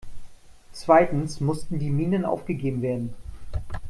Zweitens mussten die Minen aufgegeben werden.